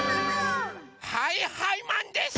はいはいマンです！